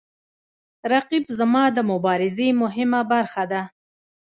رقیب زما د مبارزې مهمه برخه ده